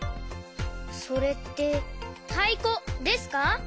それってたいこですか？